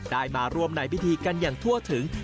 ได้มาร่วมในพิธีกันอย่างทั่วถึง